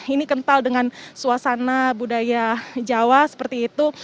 ini kental dengan suasana budaya jawa seperti itu